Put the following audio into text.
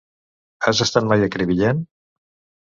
Has estat mai a Crevillent?